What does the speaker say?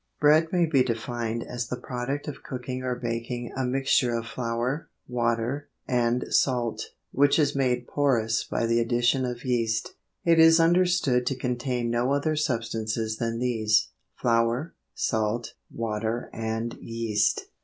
Bread may be defined as the product of cooking or baking a mixture of flour, water, and salt, which is made porous by the addition of yeast. It is understood to contain no other substances than these flour, salt, water and yeast.